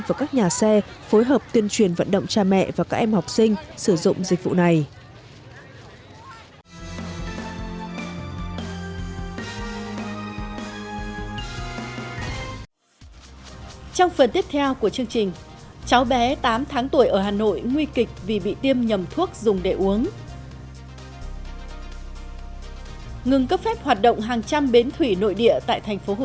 và các nhà xe phối hợp tuyên truyền vận động cha mẹ và các em học sinh sử dụng dịch vụ này